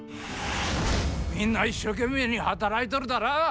みんな一生懸命に働いとるだら？